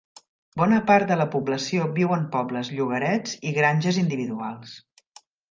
Bona part de la població viu en pobles, llogarets i granges individuals.